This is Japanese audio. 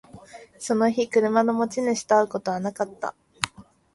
その日、車の持ち主と会うことはなかった